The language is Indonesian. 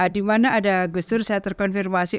di mana ada gustur saya terkonfirmasi